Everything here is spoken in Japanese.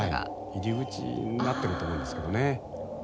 入り口になってると思うんですけどね。